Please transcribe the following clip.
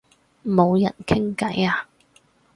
冇人傾偈啊